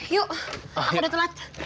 yuk aku udah telat